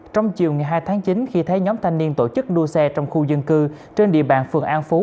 trong chiều ngày hai tháng chín khi thấy nhóm thanh niên tổ chức đua xe trong khu dân cư trên địa bàn phường an phú